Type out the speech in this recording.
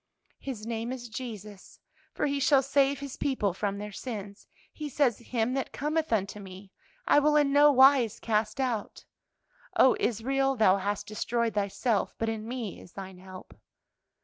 "'His name is Jesus, for He shall save His people from their sins.' He says, 'Him that cometh unto me, I will in no wise cast out.' 'O Israel, thou hast destroyed thyself; but in me is thine help.'